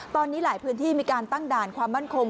ตอนนี้หลายพื้นที่มีการตั้งด่านความมั่นคง